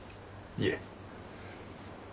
いえ。